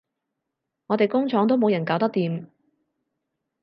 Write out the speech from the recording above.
我哋工廠都冇人搞得掂